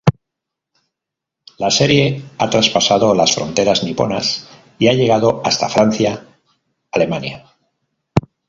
La serie ha traspasado las fronteras niponas y ha llegado hasta Francia, Alemania.